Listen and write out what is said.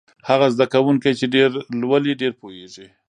هغه زده کوونکی چې ډېر لولي ډېر پوهېږي.